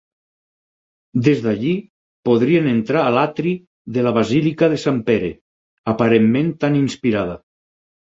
Des d'allí podrien entrar a l'atri de la basílica de Sant Pere, aparentment tan inspirada.